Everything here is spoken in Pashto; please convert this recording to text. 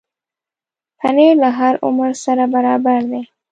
پنېر له هر عمر سره برابر دی.